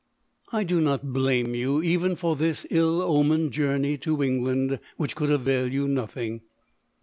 I do not blame you even for this ill omened journey to England, which could avail you nothing.